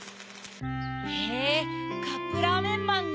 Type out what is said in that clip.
へぇカップラーメンマンが。